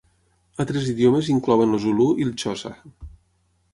Altres idiomes inclouen el zulu i el xosa.